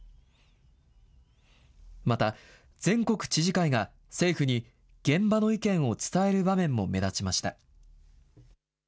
また、全国知事会が政府に現場の意見を伝える場面も目立ちました。